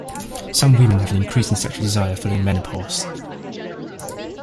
Some women have an increase in sexual desire following menopause.